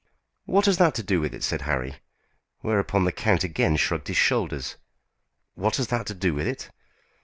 "What has that to do with it?" said Harry; whereupon the count again shrugged his shoulders. "What has that to do with it?